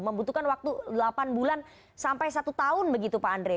membutuhkan waktu delapan bulan sampai satu tahun begitu pak andre